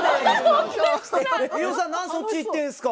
飯尾さん何でそっち行ってるんすか？